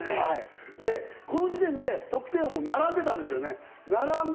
この時点で得点王に並んでたんですよね。